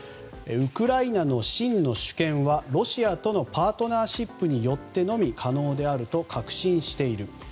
ウクライナの真の主権はロシアとのパートナーシップによってのみ可能であると確信している。